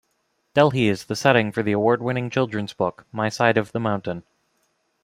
Delhi is the setting for the award-winning children's book "My Side of the Mountain".